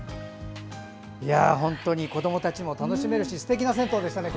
子どもたちも楽しめるしすてきな銭湯でしたね。